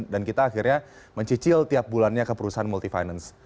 dan kita akhirnya mencicil tiap bulannya ke perusahaan multifinance